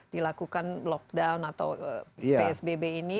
dilakukan lockdown atau psbb ini